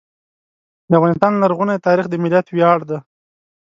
د افغانستان لرغونی تاریخ د ملت ویاړ دی.